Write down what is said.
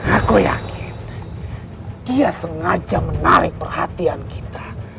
aku yakin dia sengaja menarik perhatian kita